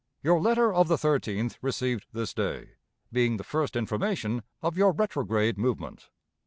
"Your letter of the 13th received this day, being the first information of your retrograde movement.